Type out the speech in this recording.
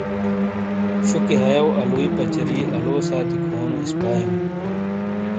شُکی ہَئیو آلُوئی پَچاری آلُوو سانتی کھونو اِسپا اِیوں۔